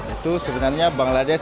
itu sebenarnya bangladesh